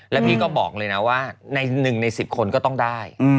แล้วพี่ก็บอกเลยนะว่าใน๑ใน๑๐คนก็ต้องได้